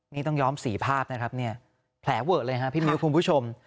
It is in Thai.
นี่ต้องย้อมสีภาพนะครับเนี่ยแผลเวอะเลยฮะพี่มิ้วคุณผู้ชม